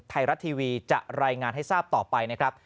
ไทยรัฐทีวีจะรายงานให้ทราบต่อไปนะครับ